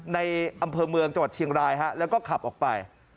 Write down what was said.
อำเภอเมืองจังหวัดเชียงรายแล้วก็ขับออกไป